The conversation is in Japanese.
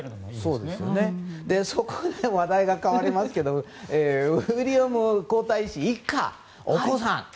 そこで話題が変わりますけどウィリアム皇太子一家お子さん。